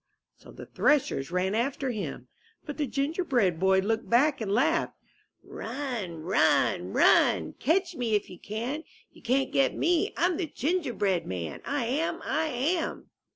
'' So the threshers ran after him. But the Gingerbread Boy looked back and laughed: *^Run! Run! Run! Catch me if you can! You can't get me! I'm the Gingerbread Man, lam! I am!"